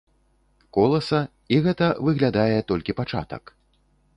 Коласа, і гэта, выглядае, толькі пачатак.